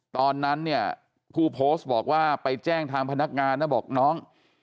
ตอนนั้นเนี่ยผู้โพสต์บอกว่าไปแจ้งทางพนักงานนะบอกน้อง